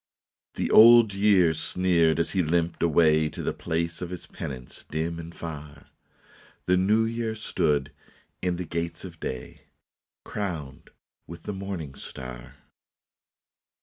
" The Old Year sneered as he limped away To the place of his penance dim and far. The New Year stood in the gates of day, Crowned with the morning star.